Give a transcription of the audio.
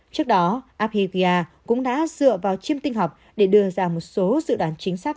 trước đó abgivia cũng đã dựa vào chiêm tinh học để đưa ra một số dự đoán chính xác